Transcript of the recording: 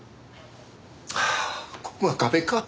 はぁここが壁か。